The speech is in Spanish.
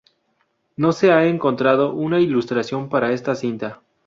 No se ha encontrado una ilustración para esta cinta.